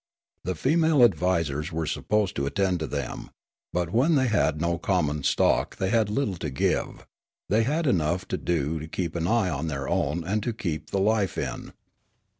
The female advisers were supposed to attend to them ; but when they had no common stock they had little to give ; they had enough to do to keep an eye on their own and to keep the life in.